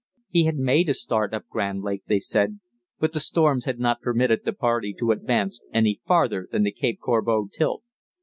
He had made a start up Grand Lake, they said, but the storms had not permitted the party to advance any farther than the Cape Corbeau tilt.